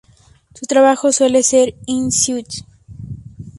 Su trabajo suele ser in situ.